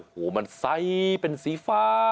โอ้โหมันไซส์เป็นสีฟ้า